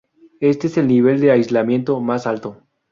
Este es el nivel de aislamiento "más alto".